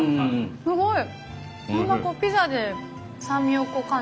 すごい。